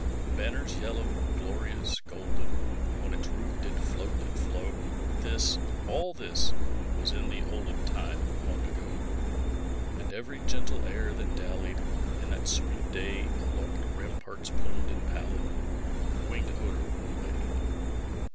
Banners yellow, glorious, golden, On its roof did float and flow, (This all this was in the olden Time long ago), And every gentle air that dallied, In that sweet day, Along the ramparts plumed and pallid, A winged odor went away.